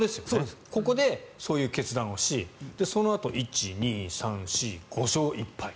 ここでそういう決断をしそのあと１、２、３、４５勝１敗。